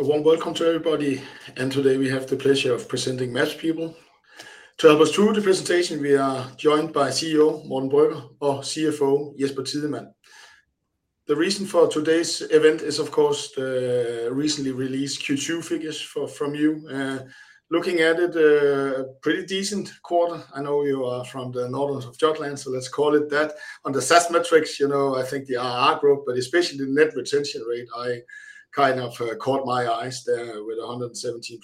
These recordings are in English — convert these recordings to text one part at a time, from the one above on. A warm welcome to everybody, and today we have the pleasure of presenting MapsPeople. To help us through the presentation, we are joined by CEO, Morten Brøgger, or CFO, Jesper Tidemand. The reason for today's event is, of course, the recently released Q2 figures from you. Looking at it, a pretty decent quarter. I know you are from the northern of Jutland, so let's call it that. On the SaaS metrics, you know, I think the ARR growth, but especially the net retention rate, I kind of caught my eyes there with 117%.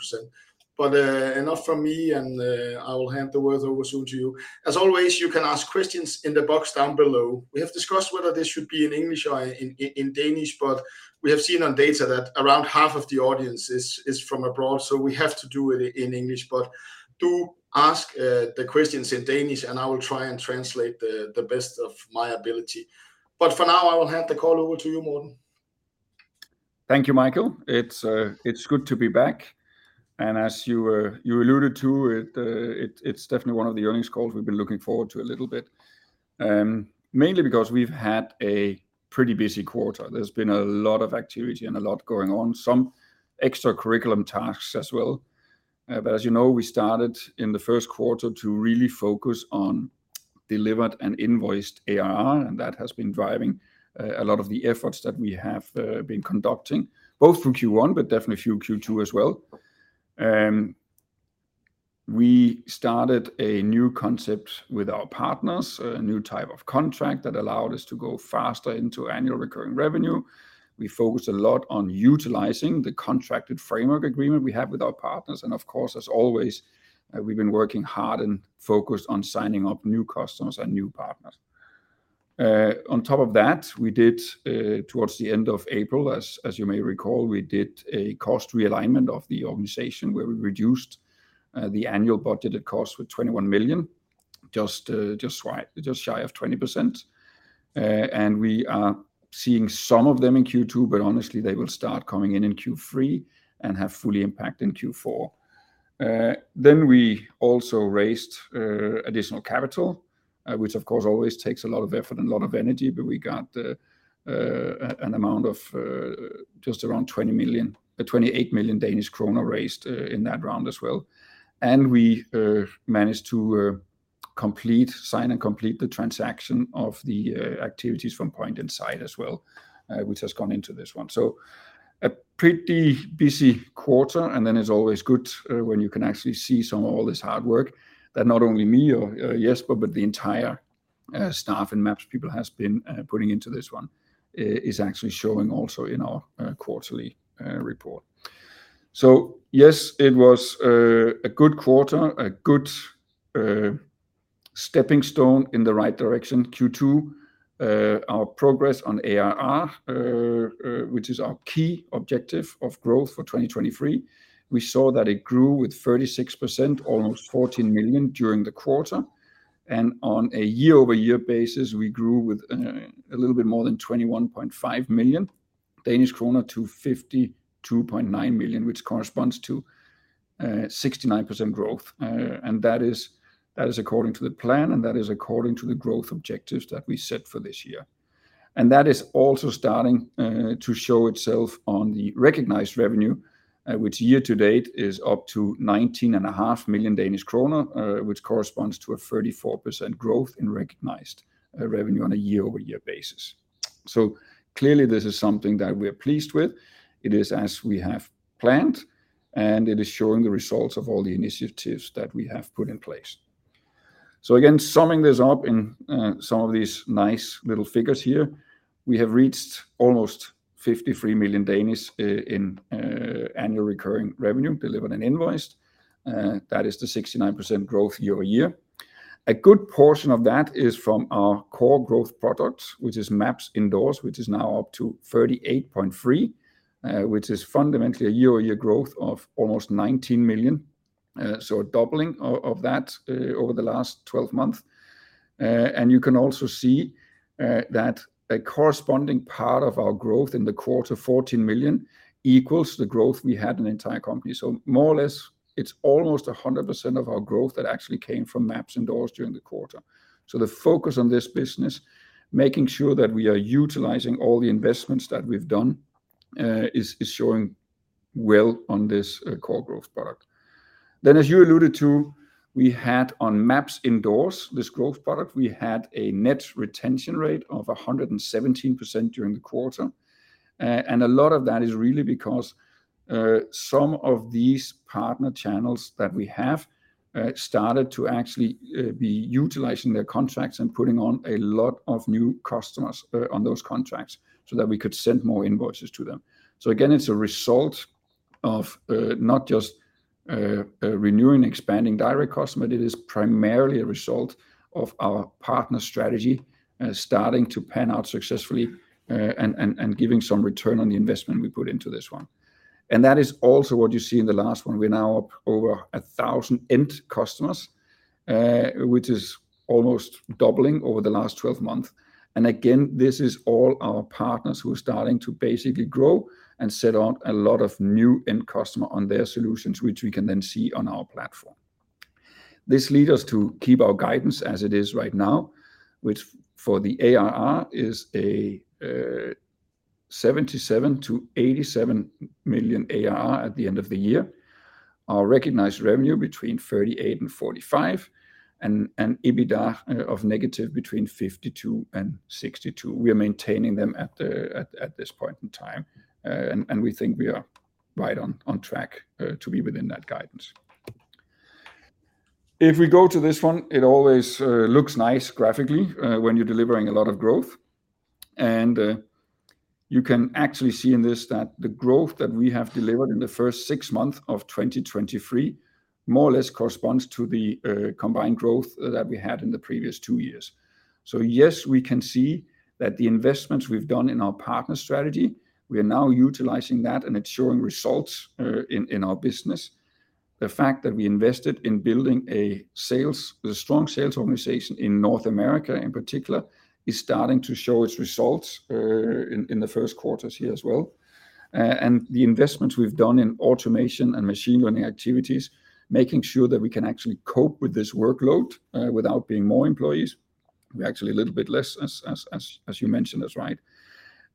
Enough from me, and I will hand the words over to you. As always, you can ask questions in the box down below. We have discussed whether this should be in English or in, in, in Danish. We have seen on data that around half of the audience is, is from abroad, so we have to do it in English. Do ask the questions in Danish, and I will try and translate the, the best of my ability. For now, I will hand the call over to you, Morten. Thank you, Michael. It's good to be back, as you, you alluded to, it, it's definitely one of the earnings calls we've been looking forward to a little bit. Mainly because we've had a pretty busy quarter. There's been a lot of activity and a lot going on, some extra curriculum tasks as well. As you know, we started in the first quarter to really focus on delivered and invoiced ARR. That has been driving a lot of the efforts that we have been conducting, both through Q1 but definitely through Q2 as well. We started a new concept with our partners, a new type of contract that allowed us to go faster into annual recurring revenue. We focused a lot on utilizing the contracted framework agreement we have with our partners, and of course, as always, we've been working hard and focused on signing up new customers and new partners. On top of that, we did, towards the end of April, as, as you may recall, we did a cost realignment of the organization, where we reduced, the annual budgeted cost with 21 million, just, just shy, just shy of 20%. We are seeing some of them in Q2, but honestly, they will start coming in in Q3 and have fully impact in Q4. We also raised, additional capital, which of course always takes a lot of effort and a lot of energy, but we got, an amount of, just around 20 million. 28 million Danish kroner raised in that round as well. We managed to complete, sign and complete the transaction of the activities from Point Inside as well, which has gone into this one. A pretty busy quarter, and then it's always good when you can actually see some of all this hard work, that not only me or Jesper, but the entire staff in MapsPeople has been putting into this one, is actually showing also in our quarterly report. Yes, it was a good quarter, a good stepping stone in the right direction. Q2, our progress on ARR, which is our key objective of growth for 2023, we saw that it grew with 36%, almost 14 million during the quarter. On a year-over-year basis, we grew with a little bit more than 21.5 million Danish kroner to 52.9 million, which corresponds to 69% growth. That is, that is according to the plan, and that is according to the growth objectives that we set for this year. That is also starting to show itself on the recognized revenue, which year to date is up to 19.5 million Danish kroner, which corresponds to a 34% growth in recognized revenue on a year-over-year basis. Clearly, this is something that we are pleased with. It is as we have planned, and it is showing the results of all the initiatives that we have put in place. Summing this up in some of these nice little figures here, we have reached almost 53 million in annual recurring revenue, delivered and invoiced. That is the 69% growth year-over-year. A good portion of that is from our core growth products, which is MapsIndoors, which is now up to 38.3 million, which is fundamentally a year-over-year growth of almost 19 million, so a doubling of that over the last 12 months. You can also see that a corresponding part of our growth in the quarter, 14 million, equals the growth we had in the entire company. It's almost 100% of our growth that actually came from MapsIndoors during the quarter. The focus on this business, making sure that we are utilizing all the investments that we've done, is, is showing well on this, core growth product. As you alluded to, we had on MapsIndoors, this growth product, we had a net retention rate of 117% during the quarter. And a lot of that is really because, some of these partner channels that we have, started to actually, be utilizing their contracts and putting on a lot of new customers, on those contracts so that we could send more invoices to them. Again, it's a result of, not just, a renewing, expanding direct customer. It is primarily a result of our partner strategy, starting to pan out successfully, and, and, and giving some return on the investment we put into this one. That is also what you see in the last one. We're now up over 1,000 end customers, which is almost doubling over the last 12 months. Again, this is all our partners who are starting to basically grow and set out a lot of new end customer on their solutions, which we can then see on our platform. This lead us to keep our guidance as it is right now, which for the ARR is 77 million-87 million ARR at the end of the year. Our recognized revenue between 38 million and 45 million, and EBITDA of negative between 52 million and 62 million. We are maintaining them at this point in time, and we think we are right on track to be within that guidance. If we go to this one, it always looks nice graphically when you're delivering a lot of growth. You can actually see in this that the growth that we have delivered in the first six months of 2023, more or less corresponds to the combined growth that we had in the previous two years. Yes, we can see that the investments we've done in our partner strategy, we are now utilizing that, and it's showing results in our business. The fact that we invested in building a sales, a strong sales organization in North America in particular, is starting to show its results in the 1st quarter here as well. The investments we've done in automation and machine learning activities, making sure that we can actually cope with this workload without paying more employees. We're actually a little bit less as, as, as, as you mentioned, that's right.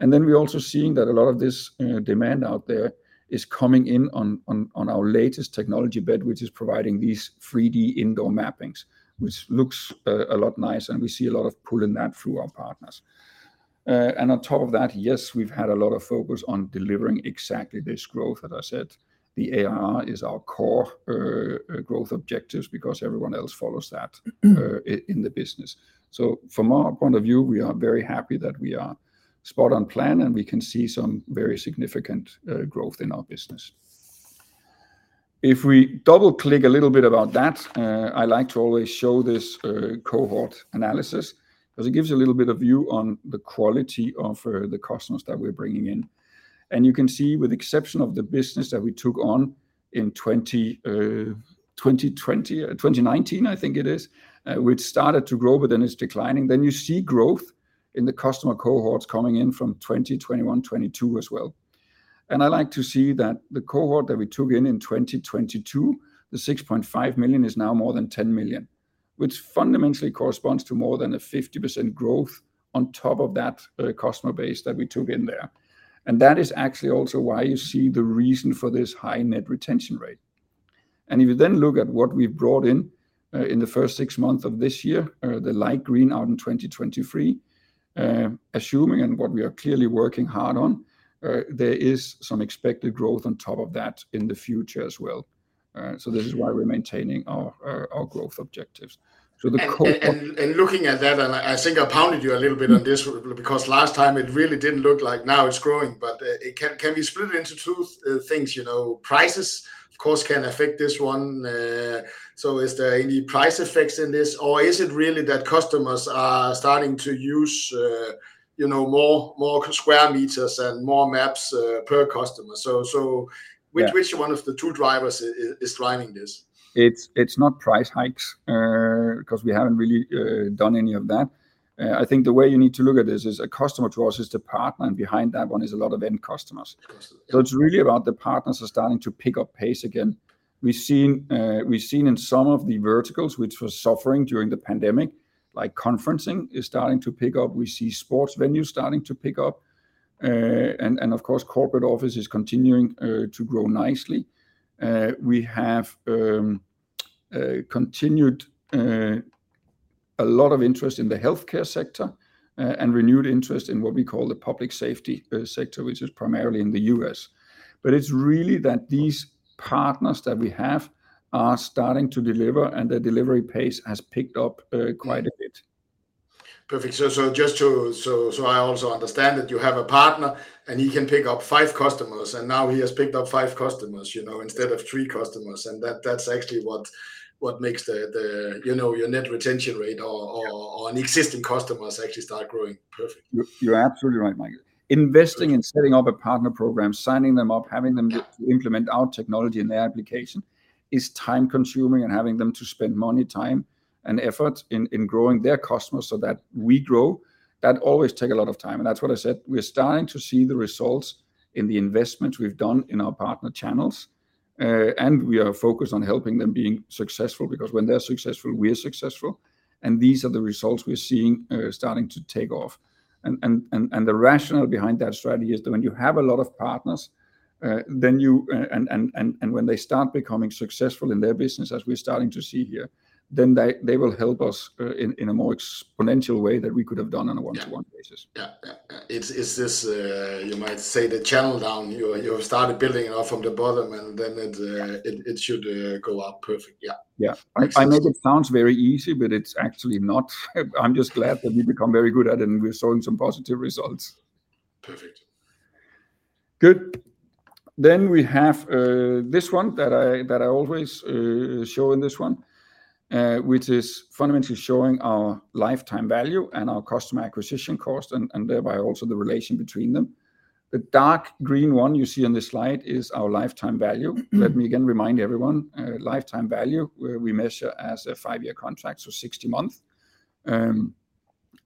Then we're also seeing that a lot of this demand out there is coming in on, on, on our latest technology bet, which is providing these 3D indoor mappings, which looks a lot nice, and we see a lot of pull in that through our partners. On top of that, yes, we've had a lot of focus on delivering exactly this growth. As I said, the ARR is our core growth objectives, because everyone else follows that in the business. From our point of view, we are very happy that we are spot on plan, and we can see some very significant growth in our business. If we double-click a little bit about that, I like to always show this cohort analysis, because it gives you a little bit of view on the quality of the customers that we're bringing in. You can see, with the exception of the business that we took on in 2020, 2019, I think it is, which started to grow, but then it's declining. You see growth in the customer cohorts coming in from 2021, 2022 as well. I like to see that the cohort that we took in, in 2022, the 6.5 million, is now more than 10 million, which fundamentally corresponds to more than a 50% growth on top of that customer base that we took in there. That is actually also why you see the reason for this high net retention rate. If you then look at what we've brought in, in the first six months of this year, the light green out in 2023, assuming and what we are clearly working hard on, there is some expected growth on top of that in the future as well. This is why we're maintaining our, our growth objectives. And looking at that, and I think I pounded you a little bit on this, because last time it really didn't look like now it's growing, but it can be split into two things. You know, prices, of course, can affect this one. Is there any price effects in this, or is it really that customers are starting to use, you know, more, more square meters and more maps per customer? Yeah Which, which one of the two drivers is driving this? It's, it's not price hikes, 'cause we haven't really done any of that. I think the way you need to look at this is a customer to us is the partner, and behind that one is a lot of end customers. Customers. It's really about the partners are starting to pick up pace again. We've seen, we've seen in some of the verticals which were suffering during the pandemic, like conferencing is starting to pick up, we see sports venues starting to pick up, and, and of course, corporate office is continuing to grow nicely. We have continued a lot of interest in the healthcare sector, and renewed interest in what we call the public safety sector, which is primarily in the U.S. It's really that these partners that we have are starting to deliver, and their delivery pace has picked up quite a bit. Perfect. Just to... I also understand that you have a partner, and he can pick up five customers, and now he has picked up five customers, you know, instead of three customers. That, that's actually what, what makes the, the, you know, your net retention rate or, or, or non-existing customers actually start growing. Perfect. You're absolutely right, Michael. Good. Investing in setting up a partner program, signing them up, having them implement our technology in their application, is time-consuming, and having them to spend money, time, and effort in, in growing their customers so that we grow, that always take a lot of time. That's what I said, we're starting to see the results in the investment we've done in our partner channels. We are focused on helping them being successful, because when they're successful, we are successful, and these are the results we're seeing, starting to take off. The rationale behind that strategy is that when you have a lot of partners, then when they start becoming successful in their business, as we're starting to see here, then they, they will help us in a more exponential way than we could have done on a one-to-one basis. Yeah. Yeah, yeah. Is this, you might say, the channel down, you, you have started building it up from the bottom, and then it, it should, go up. Perfect. Yeah. Yeah. Excellent. I know it sounds very easy, but it's actually not. I'm just glad that we've become very good at it, and we're seeing some positive results. Perfect. Good. We have this one that I, that I always show in this one, which is fundamentally showing our lifetime value and our customer acquisition cost, and thereby also the relation between them. The dark green one you see on this slide is our lifetime value. Mm. Let me again remind everyone, lifetime value, where we measure as a five-year contract, so 60 months.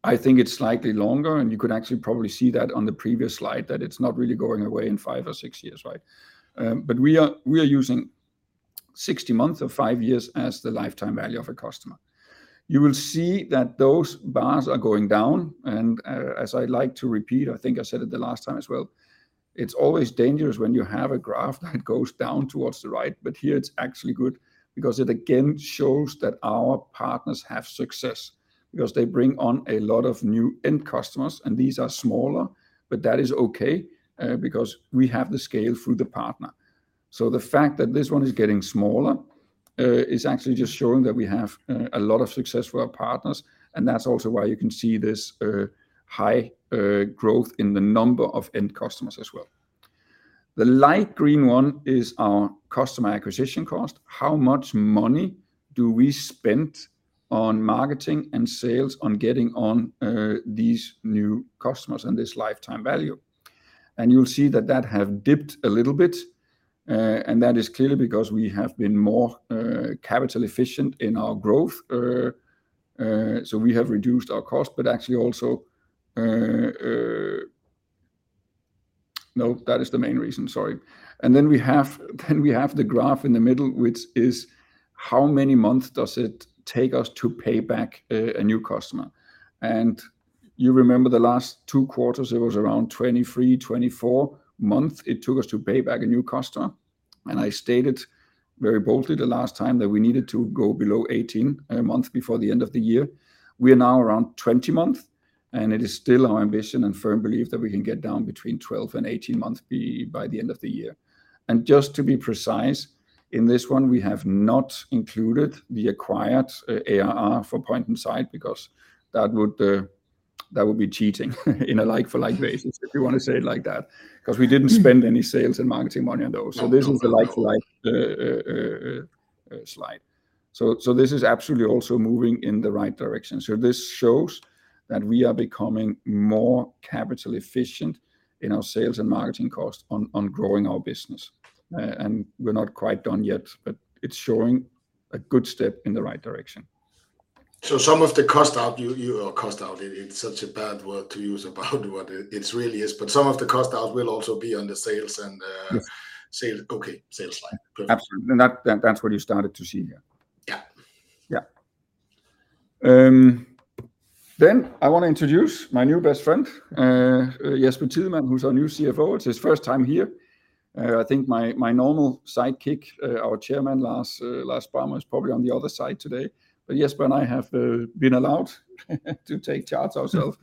I think it's slightly longer, and you could actually probably see that on the previous slide, that it's not really going away in five or five years, right? We are, we are using 60 months or five years as the lifetime value of a customer. You will see that those bars are going down, and, as I like to repeat, I think I said it the last time as well, it's always dangerous when you have a graph that goes down towards the right, but here it's actually good because it again shows that our partners have success. They bring on a lot of new end customers, and these are smaller, but that is okay, because we have the scale through the partner. The fact that this one is getting smaller, is actually just showing that we have a lot of success for our partners, and that's also why you can see this high growth in the number of end customers as well. The light green one is our customer acquisition cost. How much money do we spend on marketing and sales, on getting on these new customers and this lifetime value? You'll see that that have dipped a little bit, and that is clearly because we have been more capital efficient in our growth. We have reduced our cost, but actually also. No, that is the main reason, sorry. Then we have the graph in the middle, which is how many months does it take us to pay back one new customer? You remember the last two quarters, it was around 23-24 months it took us to pay back a new customer, and I stated very boldly the last time that we needed to go below 18 months before the end of the year. We are now around 20 months, and it is still our ambition and firm belief that we can get down between 12 and 18 months by the end of the year. Just to be precise, in this one, we have not included the acquired ARR for Point Inside, because that would be cheating in a like-for-like basis, if you want to say it like that. Because we didn't spend any sales and marketing money on those. This is the like-for-like slide. This is absolutely also moving in the right direction. This shows that we are becoming more capital efficient in our sales and marketing costs on, on growing our business. And we're not quite done yet, but it's showing a good step in the right direction. Some of the cost out. Oh, cost out, it's such a bad word to use about what it really is. Some of the cost out will also be on the sales and. Yes Sales, okay, sales slide. Good. Absolutely. That's what you started to see here. Yeah. Yeah. I wanna introduce my new best friend, Jesper Tidemand, who's our new CFO. It's his first time here. I think my normal sidekick, our chairman, Lars Brammer, is probably on the other side today. Jesper and I have been allowed to take charts ourselves.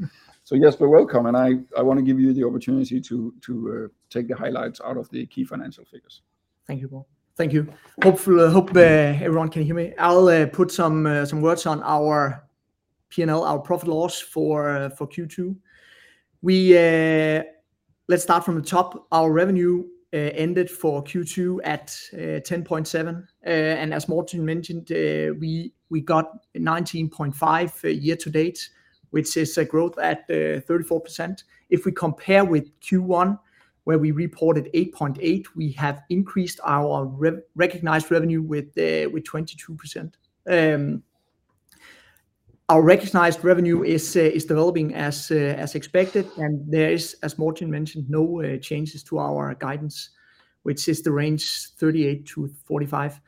Jesper, welcome, and I wanna give you the opportunity to, to take the highlights out of the key financial figures. Thank you, Morten. Thank you. Hopefully, I hope everyone can hear me. I'll put some words on our P&L, our profit loss, for Q2. Let's start from the top. Our revenue ended for Q2 at 10.7. As Morten mentioned, we got 19.5 for year-to-date, which is a growth at 34%. If we compare with Q1, where we reported 8.8, we have increased our recognized revenue with 22%. Our recognized revenue is developing as expected, and there is, as Morten mentioned, no changes to our guidance, which is the range 38-45.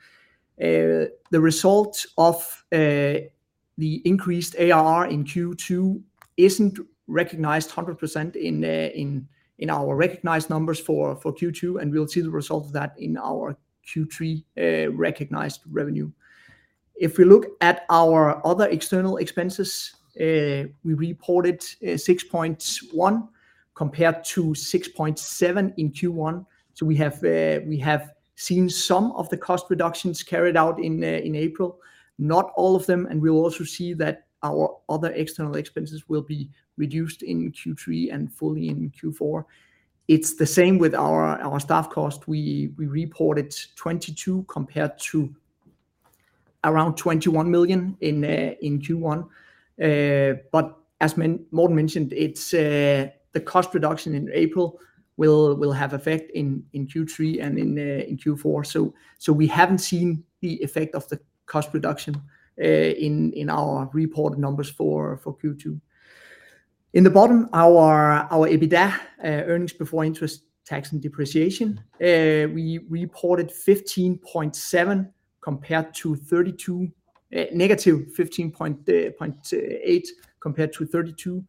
The result of the increased ARR in Q2 isn't recognized 100% in our recognized numbers for Q2. We'll see the result of that in our Q3 recognized revenue. If we look at our other external expenses, we reported 6.1 compared to 6.7 in Q1. We have seen some of the cost reductions carried out in April, not all of them, and we'll also see that our other external expenses will be reduced in Q3 and fully in Q4. It's the same with our staff cost. We reported 22 compared to around 21 million in Q1. As Morten mentioned, the cost reduction in April will have effect in Q3 and in Q4. We haven't seen the effect of the cost reduction in our reported numbers for Q2. In the bottom, our EBITDA, earnings before interest, tax, and depreciation, we reported 15.7 compared to 32. Negative 15.8 compared to 32.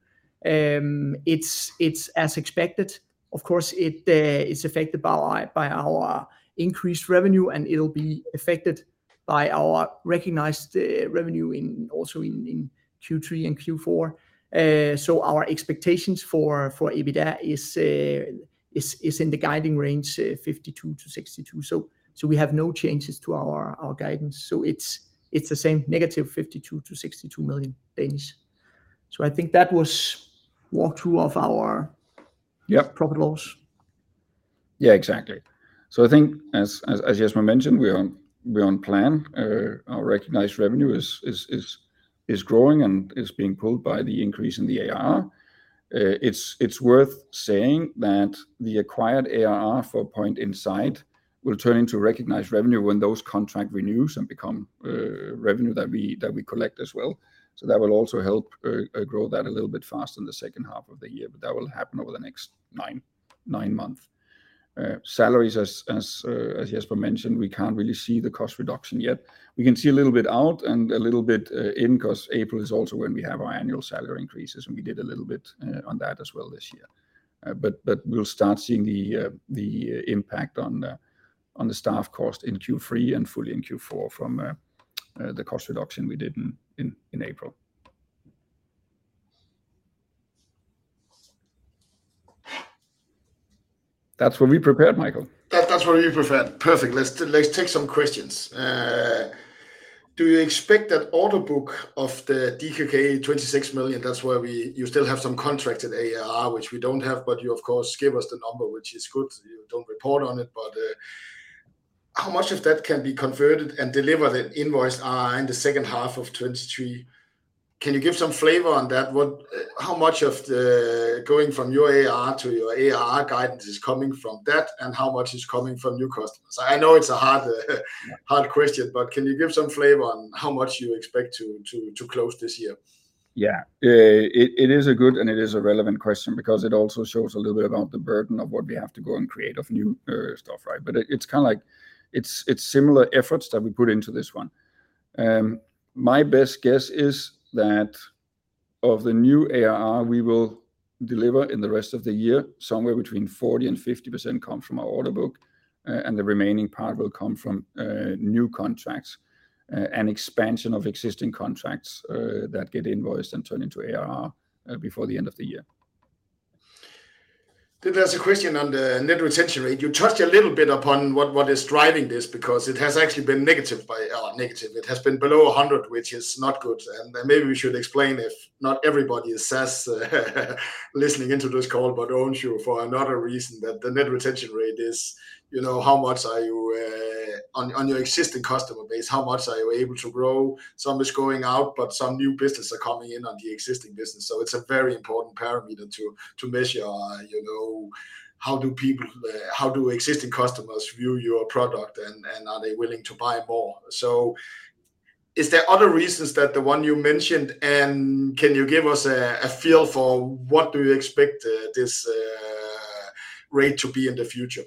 It's as expected. Of course, it is affected by our increased revenue, and it'll be affected by our recognized revenue also in Q3 and Q4. Our expectations for EBITDA is in the guiding range 52-62. We have no changes to our guidance, so it's the same -52 million to -62 million. I think that was walkthrough of our- Yep Profit loss. Yeah, exactly. I think as, as Jesper Tidemand mentioned, we are, we're on plan. Our recognized revenue is, is, is, is growing and is being pulled by the increase in the ARR. It's, it's worth saying that the acquired ARR for Point Inside will turn into recognized revenue when those contract renews and become revenue that we, that we collect as well. That will also help grow that a little bit faster in the second half of the year, but that will happen over the next nine months. Salaries, as, as Jesper Tidemand mentioned, we can't really see the cost reduction yet. We can see a little bit out and a little bit in, 'cause April is also when we have our annual salary increases, and we did a little bit on that as well this year. But we'll start seeing the impact on the staff cost in Q3 and fully in Q4 from the cost reduction we did in April. That's what we prepared, Michael. That's, that's what we prepared. Perfect. Let's, let's take some questions. Do you expect that order book of the DKK 26 million, that's where you still have some contracted ARR, which we don't have, but you, of course, give us the number, which is good. You don't report on it, but how much of that can be converted and delivered in invoice in the second half of 2023? Can you give some flavor on that? How much of the, going from your ARR to your ARR guidance is coming from that, and how much is coming from new customers? I know it's a hard, hard question, but can you give some flavor on how much you expect to close this year? Yeah. It, it is a good, and it is a relevant question because it also shows a little bit about the burden of what we have to go and create of new stuff, right? It, it's kinda like it's, it's similar efforts that we put into this one. My best guess is that of the new ARR we will deliver in the rest of the year, somewhere between 40% and 50% come from our order book, and the remaining part will come from new contracts, and expansion of existing contracts, that get invoiced and turn into ARR before the end of the year. There's a question on the net retention rate. You touched a little bit upon what, what is driving this, because it has actually been negative by, negative, it has been below 100, which is not good. Maybe we should explain if not everybody listening into this call, but I want you for another reason, that the net retention rate is, you know, how much are you on your existing customer base, how much are you able to grow? Some is going out, but some new business are coming in on the existing business, so it's a very important parameter to measure, you know, how do existing customers view your product, and are they willing to buy more? Is there other reasons that the one you mentioned, and can you give us a, a feel for what do you expect, this rate to be in the future?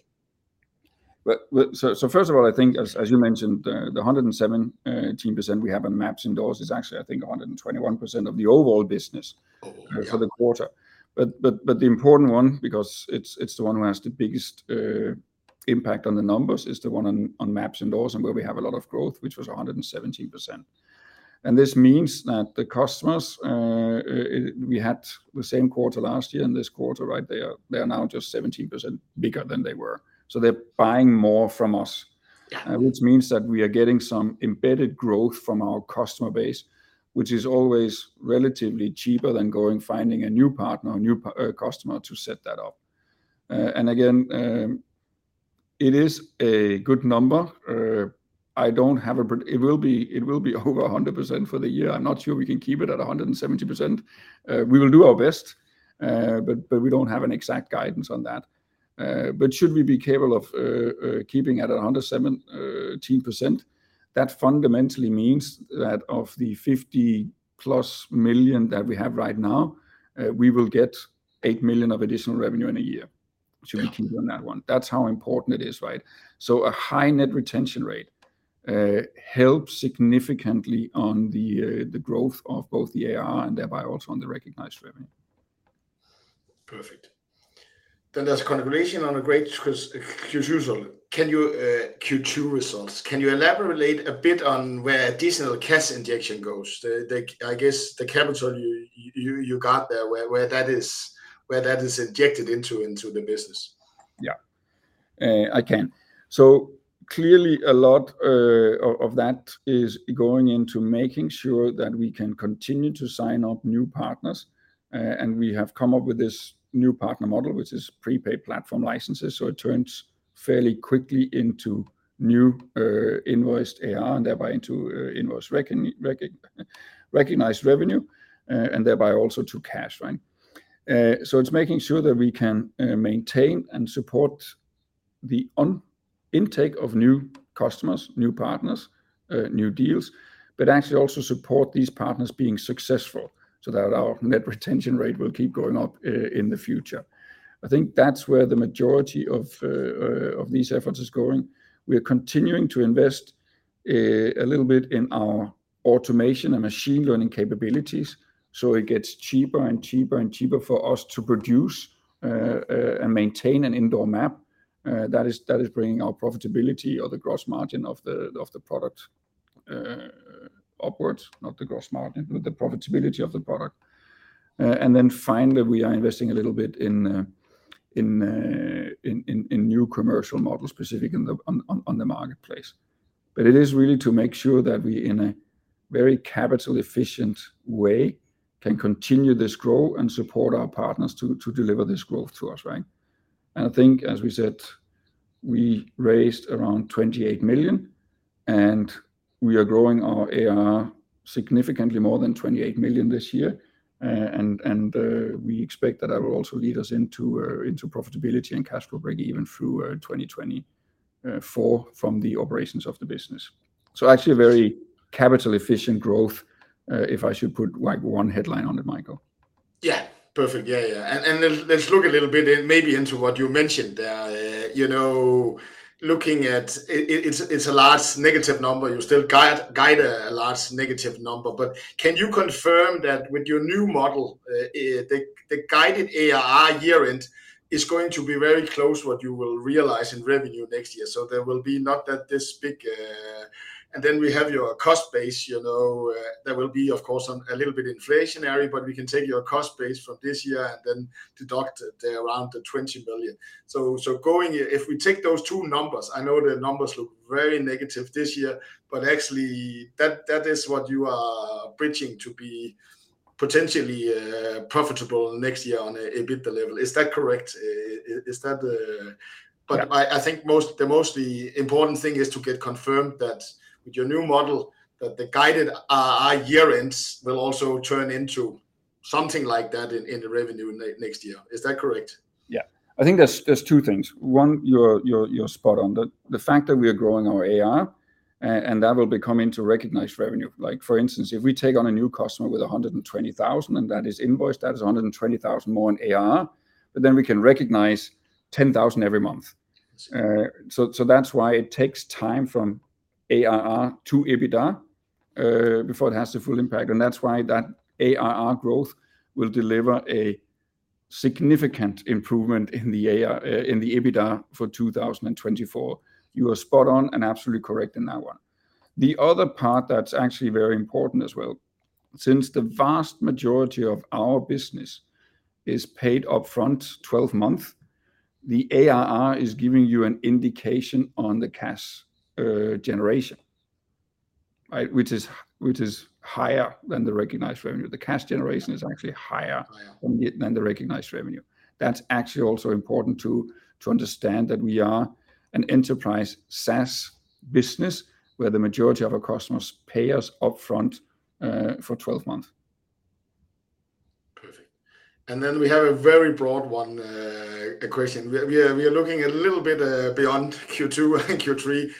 Well, well, so, so first of all, I think as, as you mentioned, the, the 117% we have on MapsIndoors is actually, I think, 121% of the overall business... Oh, okay.... for the quarter. The important one, because it's, it's the one who has the biggest, impact on the numbers, is the one on, on MapsIndoors and where we have a lot of growth, which was 117%. This means that the customers, we had the same quarter last year and this quarter, right? They are, they are now just 17% bigger than they were, so they're buying more from us. Yeah. Which means that we are getting some embedded growth from our customer base, which is always relatively cheaper than going finding a new partner or new customer to set that up. And again, it is a good number. I don't have a. It will be over 100% for the year. I'm not sure we can keep it at 170%. We will do our best, but we don't have an exact guidance on that. Should we be capable of keeping it at 117%, that fundamentally means that of the 50+ million that we have right now, we will get 8 million of additional revenue in a year. Okay Should we keep on that one. That's how important it is, right? A high net retention rate helps significantly on the growth of both the ARR and thereby also on the recognized revenue. Perfect. there's congratulation on a great result. Can you Q2 results, can you elaborate a bit on where additional cash injection goes? I guess the capital you got there, where that is injected into the business? Yeah, I can. Clearly, a lot of that is going into making sure that we can continue to sign up new partners. We have come up with this new partner model, which is prepaid platform licenses, so it turns fairly quickly into new invoiced ARR and thereby into invoiced recognized revenue and thereby also to cash, right? It's making sure that we can maintain and support the on- intake of new customers, new partners, new deals, but actually also support these partners being successful, so that our net retention rate will keep going up in the future. I think that's where the majority of these efforts is going. We're continuing to invest a little bit in our automation and machine learning capabilities, so it gets cheaper and cheaper and cheaper for us to produce and maintain an indoor map. That is bringing our profitability or the gross margin of the product upwards, not the gross margin, but the profitability of the product. Finally, we are investing a little bit in new commercial models, specifically in the on the marketplace. It is really to make sure that we, in a very capital efficient way, can continue this growth and support our partners to deliver this growth to us, right? I think, as we said, we raised around 28 million. We are growing our ARR significantly more than 28 million this year, and we expect that will also lead us into profitability and cash flow break even through 2024 from the operations of the business. Actually a very capital efficient growth, if I should put like one headline on it, Michael. Yeah. Perfect. Yeah, yeah. Let's, let's look a little bit in maybe into what you mentioned, you know, looking at it, it's, it's a large negative number. You still guide, guide a large negative number, but can you confirm that with your new model, the guided ARR year-end is going to be very close to what you will realize in revenue next year? There will be not that this big... Then we have your cost base, you know, that will be of course, on a little bit inflationary, but we can take your cost base from this year and then deduct around the 20 million. Going, if we take those two numbers, I know the numbers look very negative this year, actually that, that is what you are bridging to be potentially profitable next year on a, EBITDA level. Is that correct? Yeah. I think most, the mostly important thing is to get confirmed that with your new model, that the guided ARR year-ends will also turn into something like that in, in the revenue next year. Is that correct? Yeah. I think there's, there's two things. One, you're, you're, you're spot on. The, the fact that we are growing our ARR, and, and that will be coming to recognize revenue. Like, for instance, if we take on a new customer with 120,000, and that is invoiced, that is 120,000 more in ARR, but then we can recognize 10,000 every month. Yes. So that's why it takes time from ARR to EBITDA, before it has the full impact, and that's why that ARR growth will deliver a significant improvement in the EBITDA for 2024. You are spot on and absolutely correct in that one. The other part that's actually very important as well, since the vast majority of our business is paid upfront, 12 month, the ARR is giving you an indication on the cash generation, right? Which is, which is higher than the recognized revenue. The cash generation is actually higher... Higher... than the recognized revenue. That's actually also important to, to understand that we are an enterprise SaaS business, where the majority of our customers pay us upfront, for 12 months. Perfect. Then we have a very broad one, question. We are, we are looking a little bit beyond Q2 and Q3.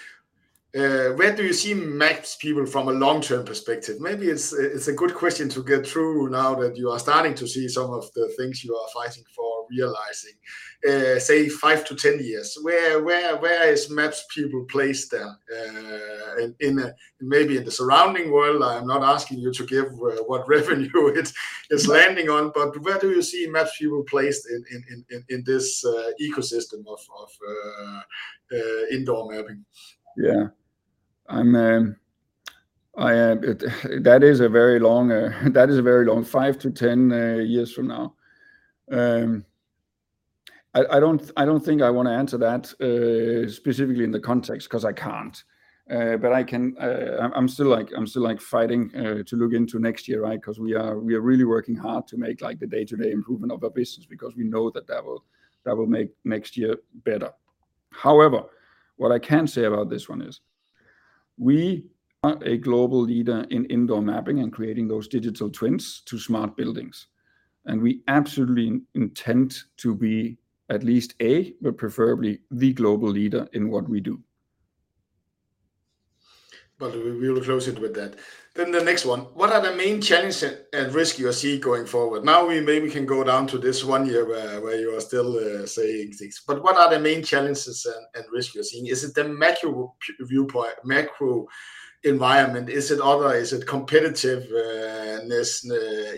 Where do you see MapsPeople from a long-term perspective? Maybe it's, it's a good question to get through now that you are starting to see some of the things you are fighting for, realizing, say 5 to 10 years. Where, where, where is MapsPeople placed then, in, maybe in the surrounding world? I'm not asking you to give what revenue it's, it's landing on, but where do you see MapsPeople placed in, in, in, in, in this ecosystem of, of indoor mapping? Yeah. I, that is a very long, that is a very long five to 10 years from now. I don't think I want to answer that specifically in the context, 'cause I can't. I can, I'm still like, I'm still, like, fighting to look into next year, right? 'Cause we are really working hard to make, like, the day-to-day improvement of our business because we know that that will make next year better. However, what I can say about this one is, we are a global leader in indoor mapping and creating those digital twins to smart buildings, and we absolutely intend to be at least a, but preferably the global leader in what we do. Well, we will close it with that. The next one: What are the main challenges and, and risk you see going forward? Now, we maybe can go down to this one year, where, where you are still saying things, but what are the main challenges and, and risk you're seeing? Is it the macro viewpoint, macro environment? Is it other, is it competitiveness,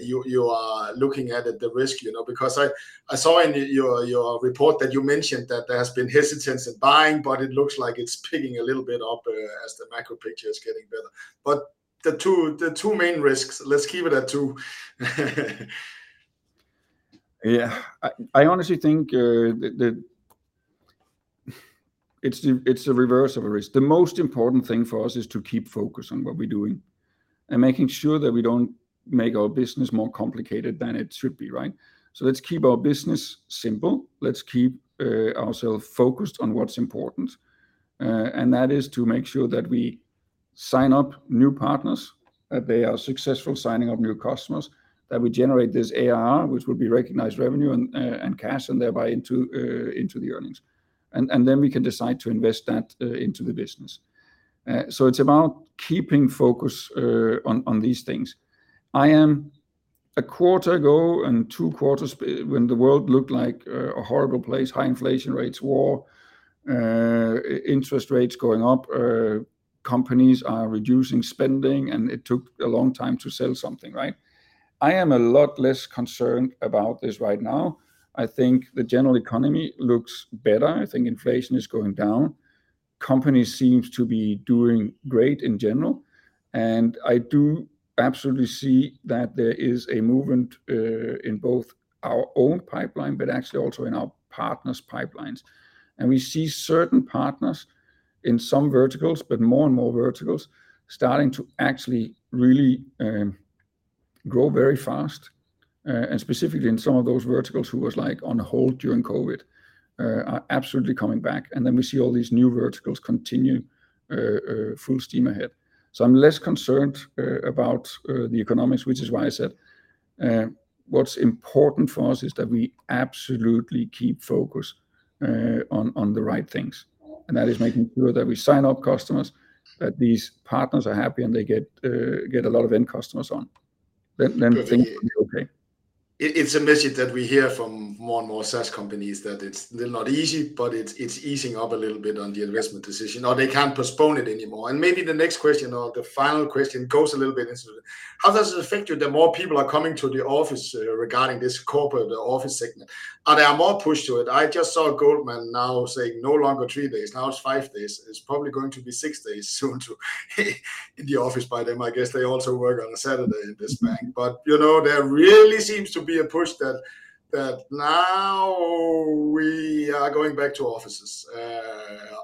you, you are looking at the risk, you know? I, I saw in your, your report that you mentioned that there has been hesitance in buying, but it looks like it's picking a little bit up as the macro picture is getting better. The two, the two main risks, let's keep it at two. Yeah. I, I honestly think, the reverse of a risk. The most important thing for us is to keep focus on what we're doing and making sure that we don't make our business more complicated than it should be, right? Let's keep our business simple. Let's keep ourselves focused on what's important. That is to make sure that we sign up new partners, that they are successful signing up new customers, that we generate this ARR, which will be recognized revenue and cash, and thereby into the earnings. Then we can decide to invest that into the business. It's about keeping focus on these things. I am one quarter ago and two quarters, when the world looked like a horrible place, high inflation rates, war, interest rates going up, companies are reducing spending. It took a long time to sell something, right? I am a lot less concerned about this right now. I think the general economy looks better. I think inflation is going down. Companies seems to be doing great in general. I do absolutely see that there is a movement in both our own pipeline, but actually also in our partners' pipelines. We see certain partners in some verticals, but more and more verticals, starting to actually really grow very fast, and specifically in some of those verticals who was, like, on hold during COVID, are absolutely coming back. We see all these new verticals continue full steam ahead. I'm less concerned about the economics, which is why I said what's important for us is that we absolutely keep focus on the right things. That is making sure that we sign up customers, that these partners are happy, and they get a lot of end customers on. Then things will be okay. It's a message that we hear from more and more SaaS companies, that it's still not easy, but it's, it's easing up a little bit on the investment decision, or they can't postpone it anymore. Maybe the next question or the final question goes a little bit into that. How does it affect you that more people are coming to the office, regarding this corporate office segment? Are there more push to it? I just saw Goldman now saying, "No longer three days, now it's five days." It's probably going to be six days soon to in the office by them. I guess they also work on a Saturday in this bank. Mm. You know, there really seems to be a push that, that now we are going back to offices.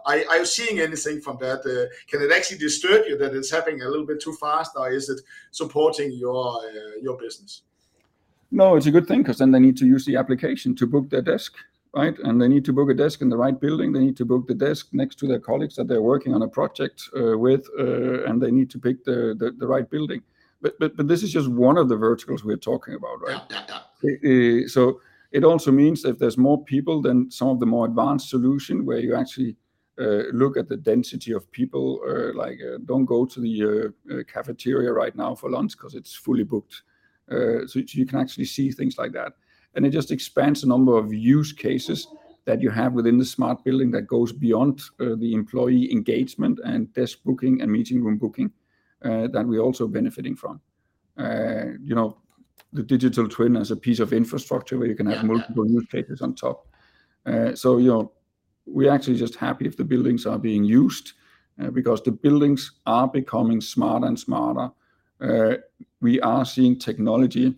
Are you seeing anything from that? Can it actually disturb you that it's happening a little bit too fast, or is it supporting your business? No, it's a good thing, 'cause then they need to use the application to book their desk, right? They need to book a desk in the right building. They need to book the desk next to their colleagues that they're working on a project with, and they need to pick the, the, the right building. This is just one of the verticals we're talking about, right? Yeah. Yeah, yeah. It also means if there's more people, then some of the more advanced solution, where you actually look at the density of people, like, "Don't go to the cafeteria right now for lunch 'cause it's fully booked." You can actually see things like that, and it just expands the number of use cases that you have within the smart building that goes beyond the employee engagement, and desk booking, and meeting room booking, that we're also benefiting from. You know, the digital twin is a piece of infrastructure where you can have- Yeah... multiple use cases on top. So, you know, we're actually just happy if the buildings are being used, because the buildings are becoming smarter and smarter. We are seeing technology,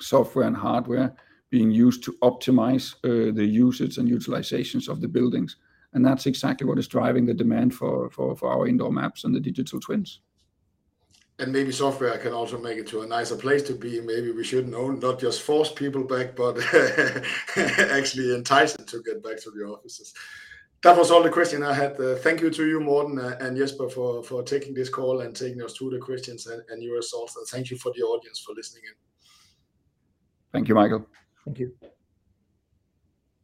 software, and hardware being used to optimize, the usage and utilizations of the buildings, and that's exactly what is driving the demand for, for, for our indoor maps and the digital twins. Maybe software can also make it to a nicer place to be. Maybe we should know, not just force people back, but actually entice them to get back to the offices. That was all the question I had. Thank you to you, Morten and Jesper, for, for taking this call and taking us through the questions and, and your results. Thank you for the audience for listening in. Thank you, Michael. Thank you.